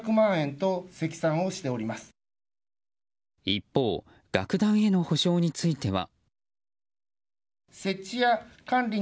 一方、楽団への補償については。